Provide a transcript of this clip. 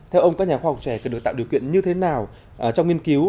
theo ông các nhà khoa học trẻ cần được tạo điều kiện như thế nào trong nghiên cứu